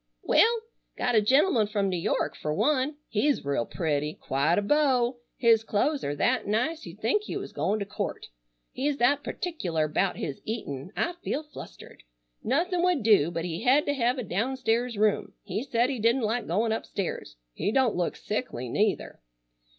"Well, got a gentleman from New York fur one. He's real pretty. Quite a beau. His clo'es are that nice you'd think he was goin' to court. He's that particular 'bout his eatin' I feel flustered. Nothin' would do but he hed to hev a downstairs room. He said he didn't like goin' upstairs. He don't look sickly, neither."